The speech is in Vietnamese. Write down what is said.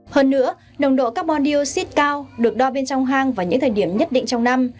hơn nữa nồng độ carbon dioxide cao được đo bên trong hang vào những thời điểm nhất định trong năm